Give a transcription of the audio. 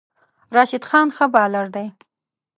راشد خان ښه بالر دی